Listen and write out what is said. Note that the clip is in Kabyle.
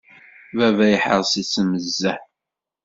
Baba iḥres-itt nezzeh.